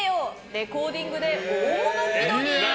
レコーディングで大物気取り！